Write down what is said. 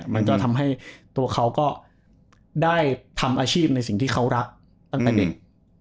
มันก็ทำให้ตัวเขาก็ได้ทำอาชีพในสิ่งที่เขารักตั้งแต่เด็ก